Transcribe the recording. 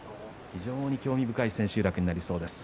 非常に興味深い千秋楽になりそうです